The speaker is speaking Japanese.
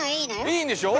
いいんでしょ？